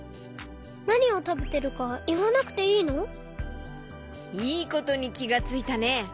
なにをたべてるかいわなくていいの？いいことにきがついたね！